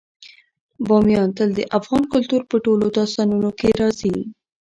بامیان تل د افغان کلتور په ټولو داستانونو کې راځي.